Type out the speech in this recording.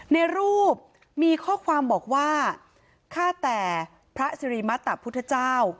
ในรูปมีข้อความบอกว่าฆ่าแต่พระสิริมัตตะพุทธเจ้า